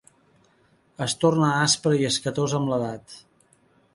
Es torna aspre i escatós amb l'edat.